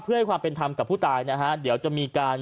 เพื่อให้ความเป็นธรรมกับผู้ตายนะฮะเดี๋ยวจะมีการ